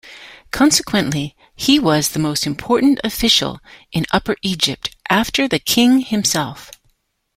Consequently, he was the most important official in Upper Egypt after the king himself.